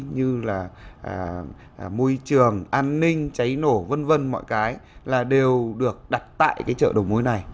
như là môi trường an ninh cháy nổ v v mọi cái là đều được đặt tại cái chợ đầu mối này